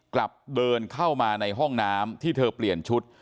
กลับเดินเข้ามาในห้องน้ำที่เธอเปลี่ยนชุด